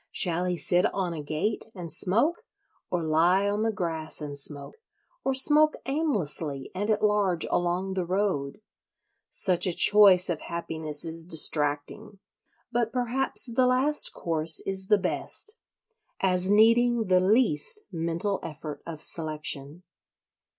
Shall he sit on a gate and smoke? or lie on the grass and smoke? or smoke aimlessly and at large along the road? Such a choice of happiness is distracting; but perhaps the last course is the best—as needing the least mental effort of selection.